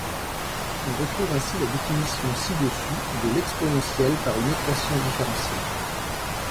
On retrouve ainsi la définition ci-dessus de l'exponentielle par une équation différentielle.